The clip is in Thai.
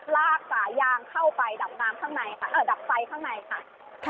ลากสาย่างเข้าไปดับไฟข้างในค่ะ